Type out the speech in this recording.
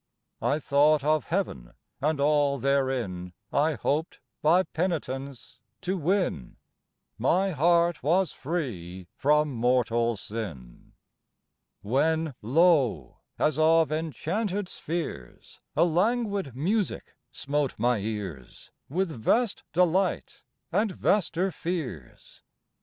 I thought of Heaven, and all therein I hoped by penitence to win; My heart was free from mortal sin. When lo! as of enchanted spheres A languid music smote my ears, With vast delight, and vaster fears.